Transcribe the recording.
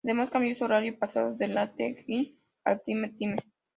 Además, cambió su horario, pasando del "late night" al "prime time".